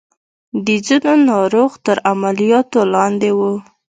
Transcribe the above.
د ځينو ناروغ تر عملياتو لاندې وو.